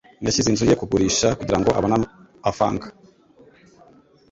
Yashyize inzu ye kugurisha kugirango abone, afanga.